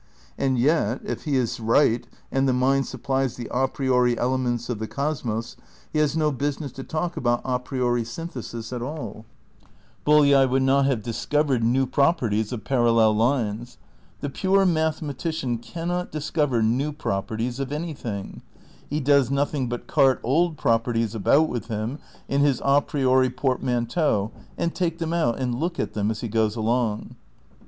And yet, if he is right and the mind sup plies the a priori elements of the cosmos, he has no I THE CRITICAL PREPARATIONS 7 business to talk about a priori synthesis at all. Bolyai •will not bave discovered new properties of parallel lines. The pure mathematician cannot discover new properties of anything; he does nothing but cart old properties about with him in his a priori portmanteau and take them out and look at them as he goes along.